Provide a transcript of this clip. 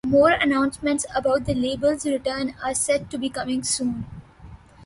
More announcements about the label's return are said to be coming soon.